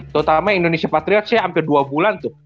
terutama indonesia patriot saya hampir dua bulan tuh